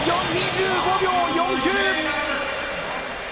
２５秒４９。